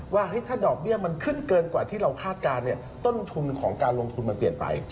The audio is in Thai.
ว่าถ้าดอกเบี้ยมันขึ้นเกินกว่าที่เราคาดการณ์ต้นทุนของการลงทุนมันเปลี่ยนไป